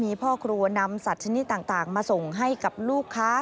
มีพ่อครัวนำสัตว์ชนิดต่างมาส่งให้กับลูกค้า